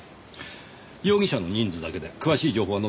容疑者の人数だけで詳しい情報は載っていませんね。